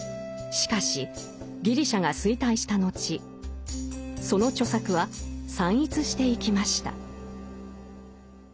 しかしギリシャが衰退した後その著作は散逸していきました。